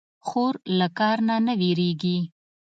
خور له کار نه نه وېرېږي.